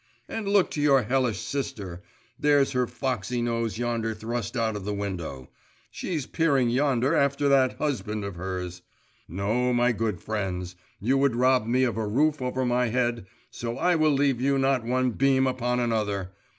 And look to your hellish sister; there's her foxy nose yonder thrust out of the window; she's peering yonder after that husband of hers! No, my good friends; you would rob me of a roof over my head, so I will leave you not one beam upon another!